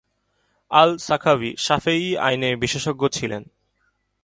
আল-সাখাভী শাফেয়ী আইনে বিশেষজ্ঞ ছিলেন।